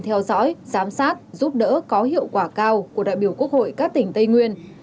theo dõi giám sát giúp đỡ có hiệu quả cao của đại biểu quốc hội các tỉnh tây nguyên